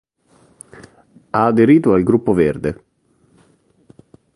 Ha aderito al Gruppo Verde.